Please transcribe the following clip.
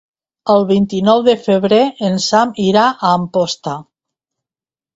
El vint-i-nou de febrer en Sam irà a Amposta.